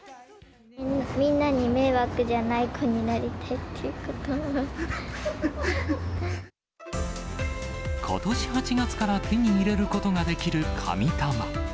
みんなに迷惑じゃない子になことし８月から手に入れることができる、神玉。